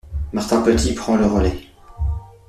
Martin Petit prend le relais.